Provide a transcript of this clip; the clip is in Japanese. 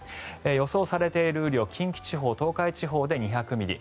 予想されている雨量近畿地方、東海地方で２００ミリ